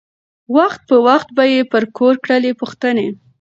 وخت په وخت به یې پر کور کړلی پوښتني